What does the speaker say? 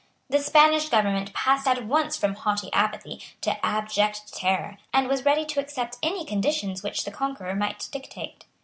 The Spanish government passed at once from haughty apathy to abject terror, and was ready to accept any conditions which the conqueror might dictate.